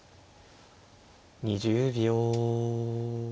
２０秒。